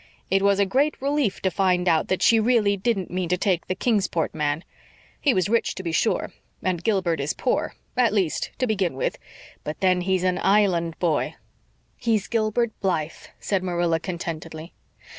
"It was a great relief to find out that she really didn't mean to take the Kingsport man. He was rich, to be sure, and Gilbert is poor at least, to begin with; but then he's an Island boy." "He's Gilbert Blythe," said Marilla contentedly.